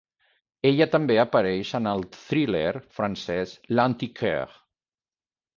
Ella també apareix en el thriller francès "L'Antiquaire".